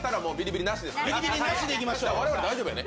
我々大丈夫やね。